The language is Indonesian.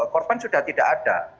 korban sudah tidak ada